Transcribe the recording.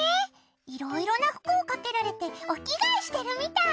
いろいろな服をかけられてお着替えしてるみたい。